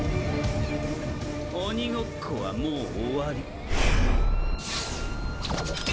鬼ごっこはもう終わり。